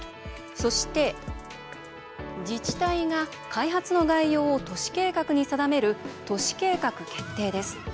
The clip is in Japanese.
そして、自治体が開発の概要を都市計画に定める都市計画決定です。